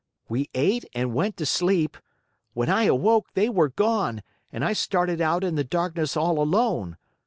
We ate and went to sleep. When I awoke they were gone and I started out in the darkness all alone.